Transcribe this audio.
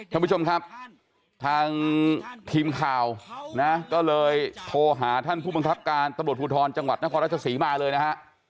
ท่านผู้ชมครับทางทีมข่าวนะก็เลยโทรหาท่านผู้บังคับการตำรวจภูทรจังหวัดนครราชศรีมาเลยนะฮะ